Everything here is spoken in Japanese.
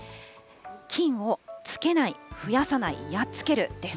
菌を付けない、増やさない、やっつけるです。